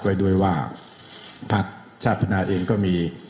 ไว้ด้วยว่าพักชาติพัฒนาเองก็มี